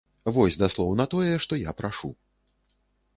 Вось даслоўна тое, што я прашу.